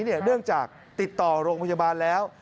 เนื่องจากติดต่อโรงพยาบาลแล้ว